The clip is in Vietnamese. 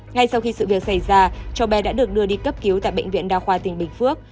ngay sau khi sự việc xảy ra cháu bé đã được đưa đi cấp cứu tại bệnh viện đa khoa tỉnh bình phước